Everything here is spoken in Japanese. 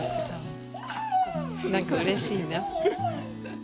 何かうれしいな。